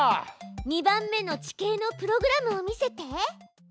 ２番目の地形のプログラムを見せて。